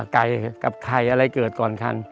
ไก่กับไข่อะไรเกิดก่อนคัน